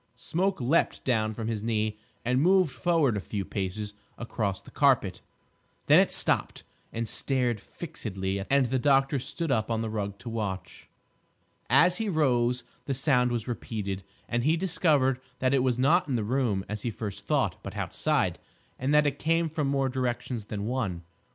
Smoke leaped down from his knee and moved forward a few paces across the carpet. Then it stopped and stared fixedly; and the doctor stood up on the rug to watch. As he rose the sound was repeated, and he discovered that it was not in the room as he first thought, but outside, and that it came from more directions than one.